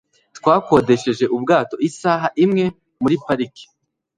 Twakodesheje ubwato isaha imwe muri parike.